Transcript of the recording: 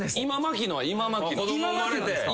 今「まきの」ですか？